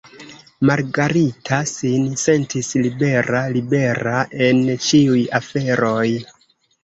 Margarita sin sentis libera, libera en ĉiuj aferoj.